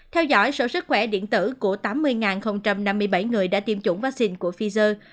theo dõi sở sức khỏe điện tử của tám mươi năm mươi bảy người đã tiêm chủng vaccine của pfizer